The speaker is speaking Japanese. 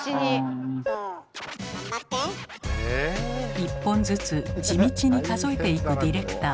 １本ずつ地道に数えていくディレクター。